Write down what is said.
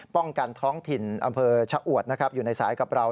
ป้องกันท้องถิ่นอำเภอเช้าอวดอยู่ในสายกับเรา